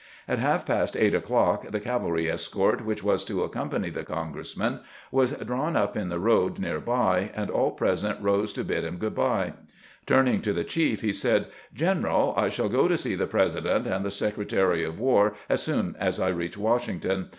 At haK past eight o'clock the cavalry escort which was to accompany the congressman was drawn up in the road near by, and aU present rose to bid him good by. Turning to the chief, he said :" General, I shall go to see the President and the Secretary of War as soon as I reach Washington.